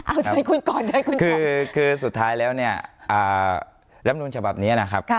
อ่าจบไหมอ่ะอย่างนี้ที่เขาสูงคือจบไหม